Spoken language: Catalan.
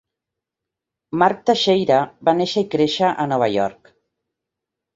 Mark Texeira va néixer i créixer a Nova York.